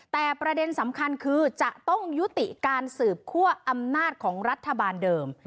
แต่ประเด็นสำคัญคือจะต้องยุติการสืบคั่วอำนาจของรัฐบาลเดิม